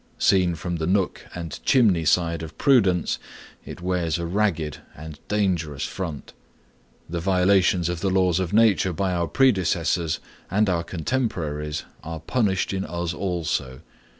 Seen from the nook and chimney side of prudence, it wears a ragged and dangerous front. The violations of the laws of nature by our predecessors and our contemporaries are punished in us also.